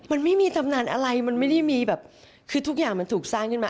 มันไม่มีตำนานอะไรมันไม่ได้มีแบบคือทุกอย่างมันถูกสร้างขึ้นมา